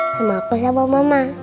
sama aku sama mama